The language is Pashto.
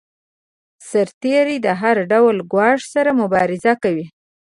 سرتیری د هر ډول ګواښ سره مبارزه کوي.